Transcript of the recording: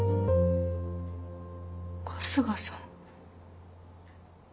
春日さん。